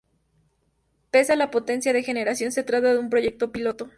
Pese a la potencia de generación se trata de un proyecto piloto.